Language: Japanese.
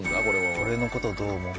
「俺のことどう思う？」